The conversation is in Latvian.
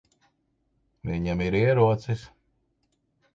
Viņam ir ierocis.